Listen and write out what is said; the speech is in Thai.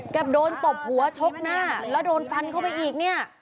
โดนตบหัวชกหน้าแล้วโดนฟันเข้าไปอีกเนี่ย